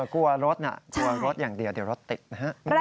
กลัวรถน่ะกลัวรถอย่างเดียวเดี๋ยวรถติดนะฮะ